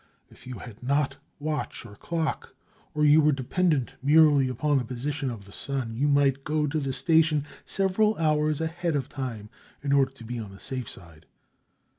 If you had not watch or clock, or you were dependent merely upon the position of the sun, you might go to the station several hours ahead of time in order to be "on the safe side."